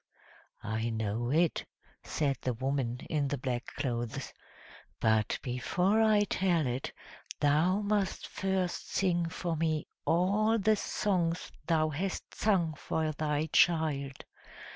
"I know it!" said the woman in the black clothes. "But before I tell it, thou must first sing for me all the songs thou hast sung for thy child!